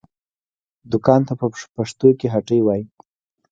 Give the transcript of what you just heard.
دوکان ته په پښتو کې هټۍ وايي